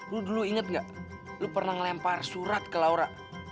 lu dulu inget gak lu pernah ngelempar surat ke laura